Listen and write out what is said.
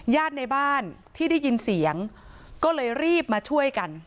ญาติในบ้านที่ได้ยินเสียงก็เลยรีบมาช่วยกัน